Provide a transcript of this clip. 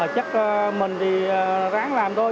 chắc mình thì ráng làm thôi